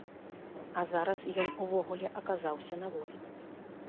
А зараз ён увогуле аказаўся на волі.